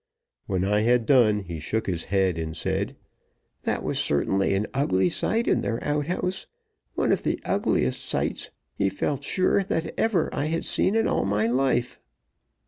When I had done, he shook his head and said: "That was certainly an ugly sight in their outhouse; one of the ugliest sights, he felt sure, that ever I had seen in all my life!"